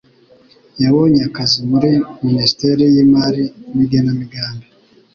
yabonye akazi muri Minisiteri y'Imari n'Igenamigambi.